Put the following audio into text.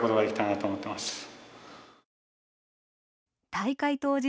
大会当日。